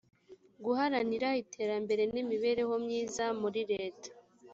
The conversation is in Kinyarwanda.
guharanira iterambere n imibereho myiza muri leta